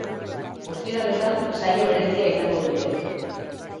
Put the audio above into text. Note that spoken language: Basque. Ostiraletan saio berezia izango dute.